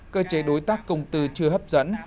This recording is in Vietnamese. cơ chế đối tác công tư chưa hấp dẫn